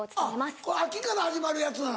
あっ秋から始まるやつなの。